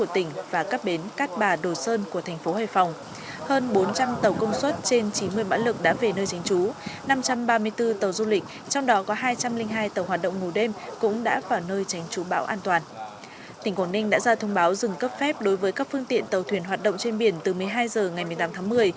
tỉnh quảng ninh đã ra thông báo dừng cấp phép đối với các phương tiện tàu thuyền hoạt động trên biển từ một mươi hai h ngày một mươi tám tháng một mươi